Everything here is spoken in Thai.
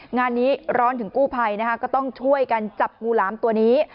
งานนี้ร้อนถึงกู้ภัยนะคะก็ต้องช่วยกันจับงูหลามตัวนี้